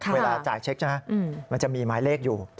เวลาจ่ายเช็คใช่ไหมมันจะมีหมายเลขอยู่